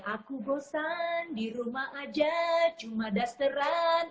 aku bosan di rumah aja cuma dasteran